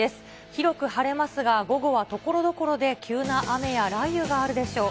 広く晴れますが、午後はところどころで急な雨や雷雨があるでしょう。